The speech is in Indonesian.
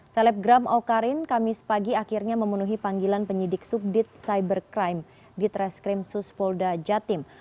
selebgram awkarin kamis pagi akhirnya memenuhi panggilan penyidik subdit cybercrime di treskrim suspolda jatim